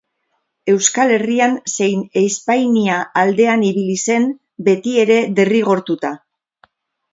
Euskal Herrian zein Espainia aldean ibili zen, betiere derrigortuta.